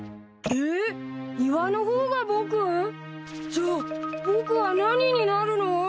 じゃあ僕は何になるの？